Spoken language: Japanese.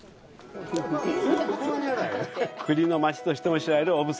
栗の町としても知られる小布施。